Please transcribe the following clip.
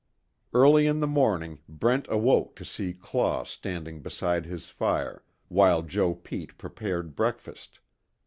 Early in the morning Brent awoke to see Claw standing beside his fire while Joe Pete prepared breakfast.